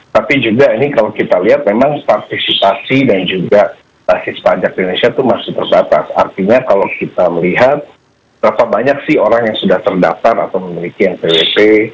tapi juga ini kalau kita lihat memang partisipasi dan juga basis pajak di indonesia itu masih terbatas artinya kalau kita melihat berapa banyak sih orang yang sudah terdaftar atau memiliki npwp